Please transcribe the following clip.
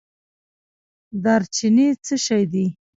دارچینی څه شی دی؟